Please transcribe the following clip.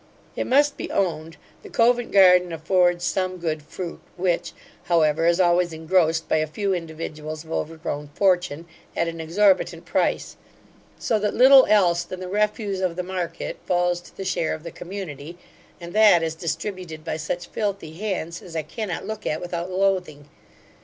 It must be owned, the Covent garden affords some good fruit; which, however, is always engrossed by a few individuals of overgrown fortune, at an exorbitant price; so that little else than the refuse of the market falls to the share of the community; and that is distributed by such filthy hands, as I cannot look at without loathing.